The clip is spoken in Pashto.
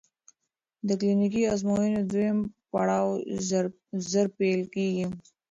د کلینیکي ازموینو دویم پړاو ژر پیل کېږي.